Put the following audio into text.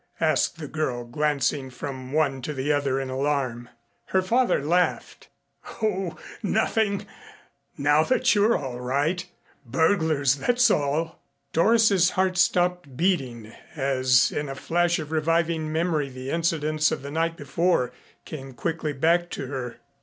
asked the girl, glancing from one to the other in alarm. Her father laughed. "Oh, nothing, now that you're all right. Burglars, that's all." Doris's heart stopped beating as in a flash of reviving memory the incidents of the night before came quickly back to her.